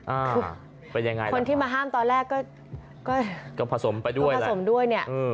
อ่าเป็นยังไงคนที่มาห้ามตอนแรกก็ก็ผสมไปด้วยผสมด้วยเนี่ยเออ